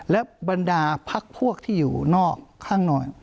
และบรรดาพักพวกที่อยู่นอกข้างนอน